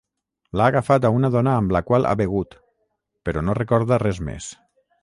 L'ha agafat a una dona amb la qual ha begut, però no recorda res més.